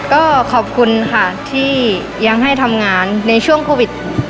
ก็ขอบคุณค่ะที่ยังให้ทำงานในช่วงโควิด